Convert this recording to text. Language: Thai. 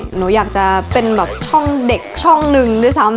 หนูอยากจะเป็นแบบช่องเด็กช่องหนึ่งด้วยซ้ำ